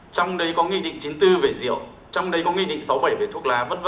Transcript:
trong đấy có nghị định chín mươi bốn về rượu trong đấy có nghị định sáu bảy về thuốc lá v v